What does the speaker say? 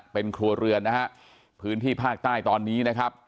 เป็นครัวเรือนนะฮะพื้นที่ภาคใต้ตอนนี้นะครับ